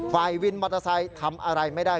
ฝ่ายวินมอเตอร์ไซค์ทำอะไรไม่ได้